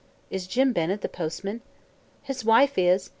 "Is Jim Bennett the postman?" "His wife is.